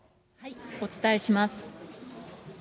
お伝えします。